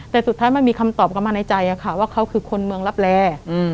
แต่สุดท้ายมันมีคำตอบกลับมาในใจว่าเขาคือคนเมืองรับแร